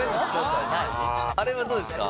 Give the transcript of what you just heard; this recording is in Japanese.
あれはどうですか？